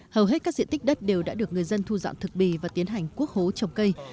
hầu hết các diện tích đất đều đã được người dân thu dọn thực bì và tiến hành quốc hố trồng cây